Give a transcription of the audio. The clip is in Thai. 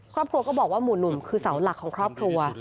ครอบครัวก็บอกว่าหมู่หนุ่มคือเสาหลักของครอบครัว